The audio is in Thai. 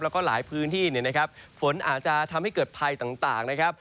แล้วก็หลายพื้นที่เนี่ยนะครับฝนอาจจะทำให้เกิดภัยต่างนะครับ